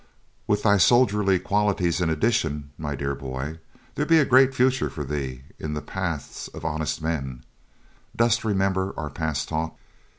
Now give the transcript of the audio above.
With thy soldierly qualities in addition, my dear boy, there be a great future for thee in the paths of honest men. Dost remember our past talk?"